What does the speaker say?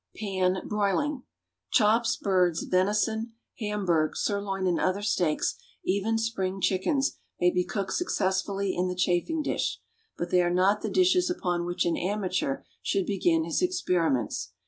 =Pan Broiling.= Chops, birds, venison, hamburg, sirloin and other steaks, even spring chickens, may be cooked successfully in the chafing dish; but they are not the dishes upon which an amateur should begin his experiments.